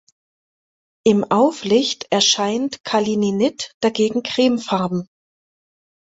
Im Auflicht erscheint Kalininit dagegen cremefarben.